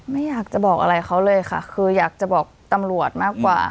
ไม่อยากจะบอกอะไรเขาเลยค่ะคืออยากจะบอกตำรวจมากกว่า